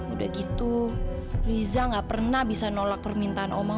udah gitu riza gak pernah bisa nolak permintaan omong